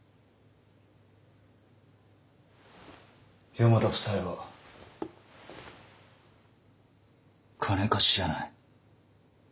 四方田夫妻は金貸しじゃない。